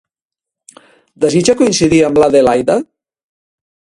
Desitja coincidir amb l'Adelaida?